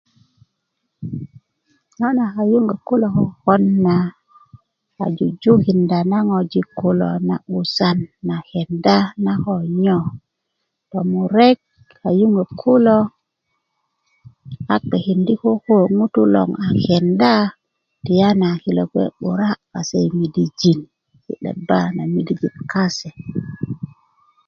ŋo' na kayuŋök kulo kokon na a jujukinda na ŋojik na 'busan na kenda na ko nyo to murek kayuŋök kulo a kpekindi' koko ŋutuu loŋ a kenda tiyana kilo gbe 'bura kase midijin yi 'debba na midijin kase